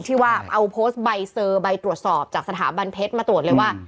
ที่ว่าเอาโพสต์ใบเซอร์ใบตรวจสอบจากสถาบันเพชรมาตรวจเลยว่า